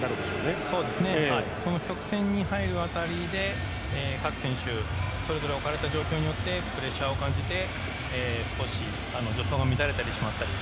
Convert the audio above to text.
この曲線に入る辺りで各選手それぞれ置かれた状況によってプレッシャーを感じて少し助走が乱れたりしてしまったり。